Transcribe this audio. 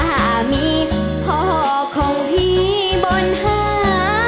ถ้ามีพ่อของพี่บนหา